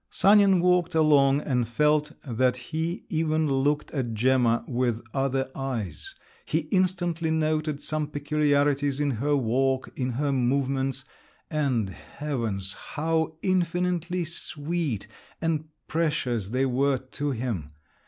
Sanin walked along, and felt that he even looked at Gemma with other eyes; he instantly noted some peculiarities in her walk, in her movements,—and heavens! how infinitely sweet and precious they were to him!